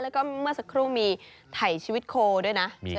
แล้วก็เมื่อสักครู่มีถ่ายชีวิตโคด้วยนะ